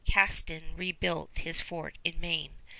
Castin rebuilt his fort in Maine.